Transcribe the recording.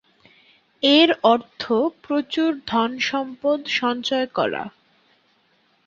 এর অর্থ প্রচুর ধন-সম্পদ সঞ্চয় করা।